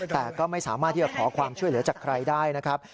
แต่ก็ไม่สามารถที่จะขอความช่วยเหลือจากใครได้นะครับ